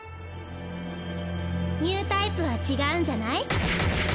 ニュータイプは違うんじゃない？